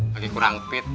lagi kurang fit